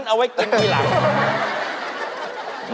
เอาไว้เต็มทีหลัง